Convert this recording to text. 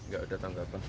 gak ada tanggapan ya